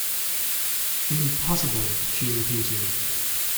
"Impossible," she repeated.